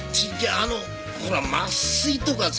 あのほら麻酔とかさ